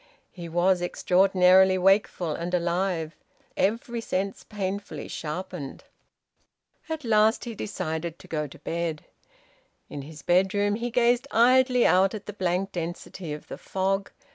He was extraordinarily wakeful and alive, every sense painfully sharpened. At last he decided to go to bed. In his bedroom he gazed idly out at the blank density of the fog.